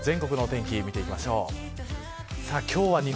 では今日の全国のお天気を見ていきましょう。